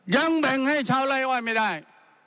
ยังแบ่งให้ชาวไล่อ้อยไม่ได้